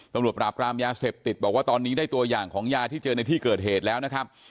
ปราบรามยาเสพติดบอกว่าตอนนี้ได้ตัวอย่างของยาที่เจอในที่เกิดเหตุแล้วนะครับ